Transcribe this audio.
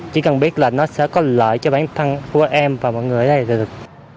chỉ cần biết là nó sẽ có lợi cho bản thân của em và mọi người ở đây được